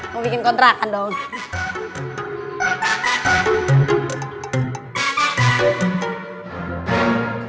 mau bikin kontrakan dong